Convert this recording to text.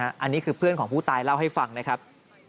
อันนี้คือเพื่อนของผู้ตายเล่าให้ฟังนะครับ